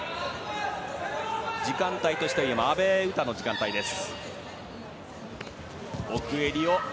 時間帯としては今、阿部詩の時間帯です。